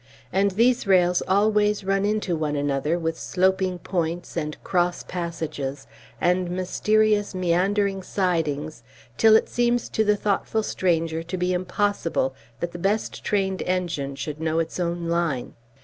And these rails always run one into another with sloping points, and cross passages, and mysterious meandering sidings, till it seems to the thoughtful stranger to be impossible that the best trained engine should know its own line.